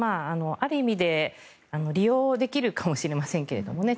ある意味で利用できるかもしれませんけどね。